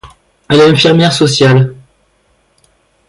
Elle est infirmière sociale.